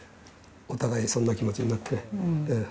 お互い、そんな気持ちになってね。